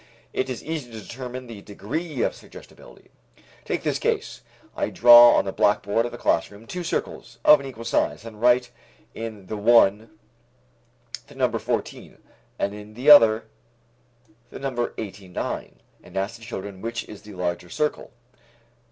It is easy to determine the degree of suggestibility. Take this case. I draw on the blackboard of a classroom two circles of an equal size, and write in the one the number fourteen and in the other the number eighty nine, and ask the children which is the larger circle.